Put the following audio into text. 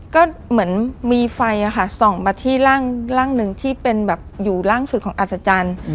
ก็เหมือนมีไฟส่องมาที่ร่างหนึ่งที่เป็นแบบอยู่ล่างสุดของอัศจรรย์